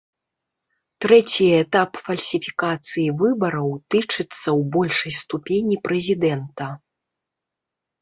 Трэці этап фальсіфікацыі выбараў тычыцца ў большай ступені прэзідэнта.